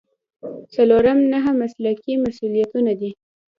څلورم نهه مسلکي مسؤلیتونه دي.